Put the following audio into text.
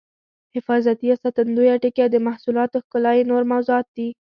حفاظتي یا ساتندویه ټکي او د محصولاتو ښکلا یې نور موضوعات دي.